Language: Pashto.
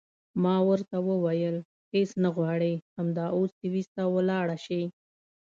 ما ورته وویل هېڅ نه غواړې همدا اوس سویس ته ولاړه شې.